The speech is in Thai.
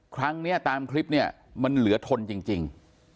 ครั้งนี้ตามคลิปเนี่ยมันเหลือทนจริง